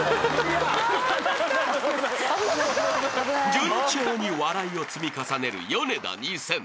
［順調に笑いを積み重ねるヨネダ２０００］